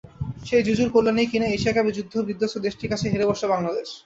সেই জুজুর কল্যাণেই কিনা এশিয়া কাপে যুদ্ধ-বিধ্বস্ত দেশটির কাছে হেরে বসল বাংলাদেশ।